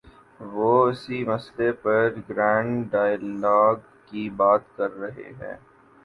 وہ اسی مسئلے پر گرینڈ ڈائیلاگ کی بات کر رہے ہیں۔